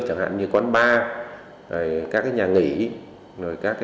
chẳng hạn như quán bar các nhà nghỉ